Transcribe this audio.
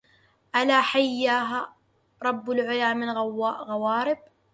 ألا حيها رب العلى من غوارب